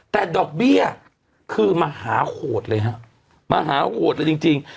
แต่ดอกเบี้ยคือมหาโหดเลยฮะมหาโหดเลยจริง